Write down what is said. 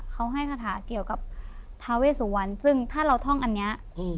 เขาให้คาถาเกี่ยวกับทาเวสุวรรณซึ่งถ้าเราท่องอันเนี้ยอืม